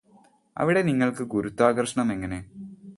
അവിടെ നിങ്ങൾക്ക് ഗുരുത്വാകര്ഷണം എങ്ങനെ